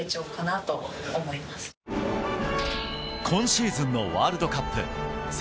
今シーズンのワールドカップ。